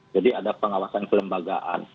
jadi ada pengawasan kelembagaan